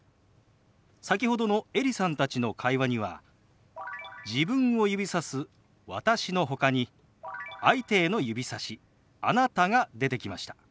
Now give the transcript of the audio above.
先ほどのエリさんたちの会話には自分を指さす「私」のほかに相手への指さし「あなた」が出てきました。